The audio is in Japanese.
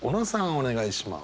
お願いします。